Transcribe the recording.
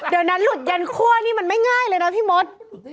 เดี๋ยวนั้นหลุดยันคั่วนี่มันไม่ง่ายเลยนะพี่มด